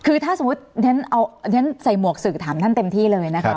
คือถ้าสมมุติฉันใส่หมวกสื่อถามท่านเต็มที่เลยนะคะ